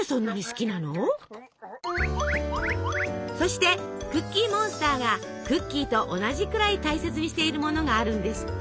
そしてクッキーモンスターがクッキーと同じくらい大切にしているものがあるんですって！